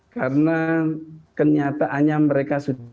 karena kenyataannya mereka sudah